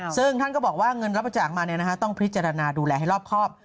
ซึ่งท่านก็บอกว่าเงินรับบริจาคมาต้องพิจารณาดูแลให้รอบครอบ